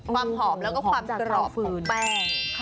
ความหอมแล้วก็ความกรอบของแป้ง